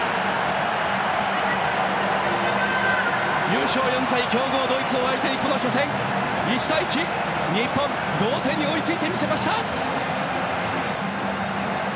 優勝４回強豪ドイツを相手にこの初戦、１対１と日本、同点に追いついてみせました。